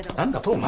お前。